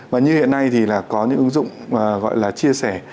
và như hiện nay thì là có những ứng dụng gọi là chia sẻ